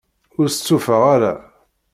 Ur stufaɣ ara.